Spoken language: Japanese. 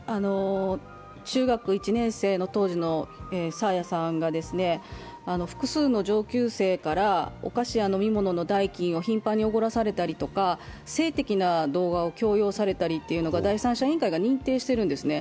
中学１年生の当時の爽彩さんが複数の上級生からお菓子や飲み物の代金を頻繁におごらされたり、性的な動画を強要されたりとかいうことを第三者委員会が同意しているんですね。